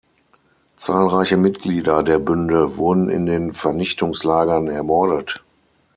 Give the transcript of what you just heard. Zahlreiche Mitglieder der Bünde wurden in den Vernichtungslagern ermordet.